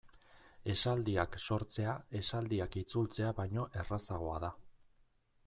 Esaldiak sortzea esaldiak itzultzea baino errazagoa da.